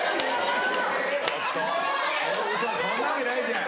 ちょっとそんなわけないじゃん。